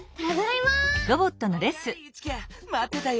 まってたよ。